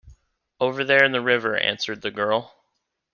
"Over there in the river," answered the girl.